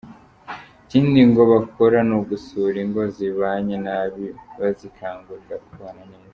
Ikindi ngo bakora ni ugusura ingo zibanye nabi bazikangurira kubana neza.